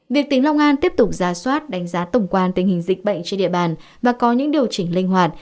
việc tỉnh long an tiếp tục ra soát đánh giá tổng quan tình hình dịch bệnh trên địa bàn và có những điều chỉnh linh hoạt